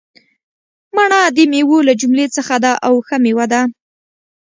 مڼه دمیوو له جملي څخه ده او ښه میوه ده